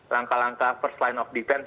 langkah langkah first line of defense